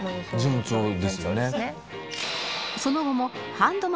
順調ですね。